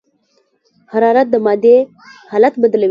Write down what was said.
حرارت د مادې حالت بدلوي.